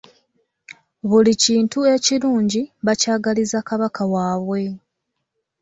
Buli kintu ekirungi bakyagaliza Kabaka waabwe.